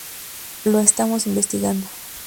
Lo estamos investigando".